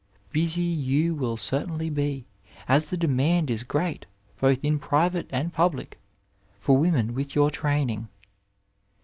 Busy you will certainly be, as the demand is great, both in private and public, for women with your training.